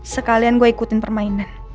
sekalian gue ikutin permainan